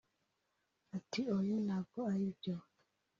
Ati “Oya ntabwo aribyo